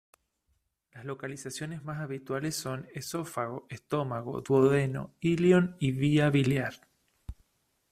Las localizaciones más habituales son: esófago, estómago, duodeno, íleon y via biliar.